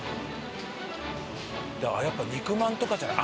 やっぱ肉まんとかじゃない？